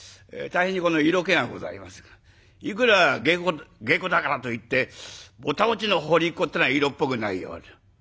大変に色気がございますがいくら下戸だからといってぼた餅の放りっこっていうのは色っぽくないようで。